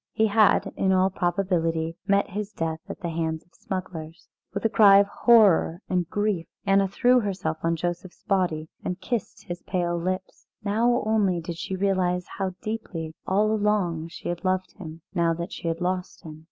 He had, in all probability, met his death at the hand of smugglers. With a cry of horror and grief Anna threw herself on Joseph's body and kissed his pale lips. Now only did she realise how deeply all along she had loved him now that she had lost him.